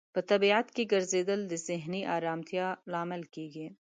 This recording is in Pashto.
په طبیعت کې ګرځیدل د ذهني آرامتیا لامل کیږي.